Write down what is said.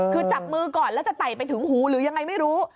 คือจับมือก่อนแล้วจะไต่ไปถึงหูหรือยังไงไม่รู้